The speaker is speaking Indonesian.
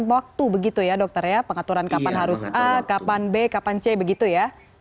waktu begitu ya dokter ya pengaturan kapan harus a kapan b kapan c begitu ya